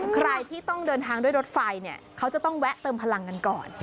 ใครที่ต้องเดินทางด้วยรถไฟเนี่ยเขาจะต้องแวะเติมพลังกันก่อน